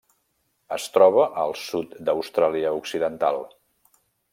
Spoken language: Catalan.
Es troba al sud d'Austràlia Occidental.